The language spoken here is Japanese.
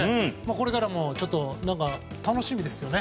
これからも何か、楽しみですよね。